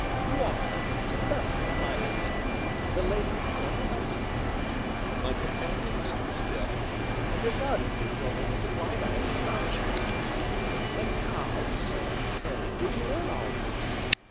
"You are, to the best of my belief, the Lady Helen Dunstan." My companion stood still, and regarded me for a moment in wide eyed astonishment. "And how, air, pray, did you learn all this?"